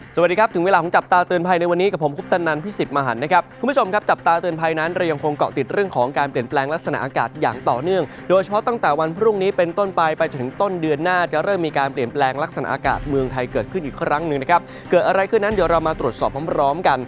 สวัสดีครับถึงเวลาของจับตาเตือนภัยในวันนี้กับผมคุณคุณผู้ชมครับจับตาเตือนภัยนั้นเรายังคงเกาะติดเรื่องของการเปลี่ยนแปลงลักษณะอากาศอย่างต่อเนื่องโดยเฉพาะตั้งแต่วันพรุ่งนี้เป็นต้นไปไปถึงต้นเดือนหน้าจะเริ่มมีการเปลี่ยนแปลงลักษณะอากาศเมืองไทยเกิดขึ้นอีกครั้งหนึ่งนะครั